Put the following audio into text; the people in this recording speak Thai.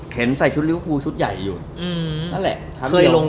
เท้นใส่ชุดลิ้วครูชุดใหญ่อยู่นั่นแหละ